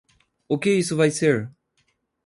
O que isso vai ser?